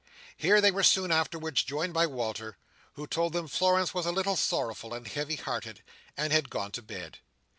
Here they were soon afterwards joined by Walter, who told them Florence was a little sorrowful and heavy hearted, and had gone to bed.